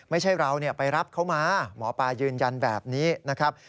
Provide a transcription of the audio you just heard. ไม่ใช่เราไปรับเขามาหมอปลายืนยันแบบนี้นะครับ